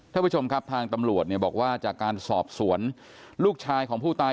ท่านผู้ชมครับทางตำรวจเนี่ยบอกว่าจากการสอบสวนลูกชายของผู้ตาย